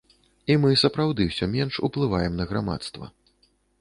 І мы сапраўды ўсё менш уплываем на грамадства.